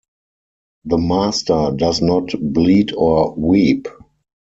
The Master does not bleed or weep.